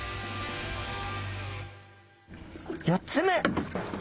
４つ目。